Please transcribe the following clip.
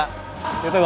itu gokil banget